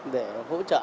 để hỗ trợ